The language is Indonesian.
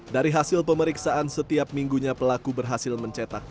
dari hasil pemeriksaan setiap minggunya pelaku berhasil mencetak